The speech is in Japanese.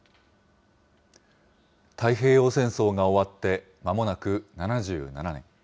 太平洋戦争が終わってまもなく７７年。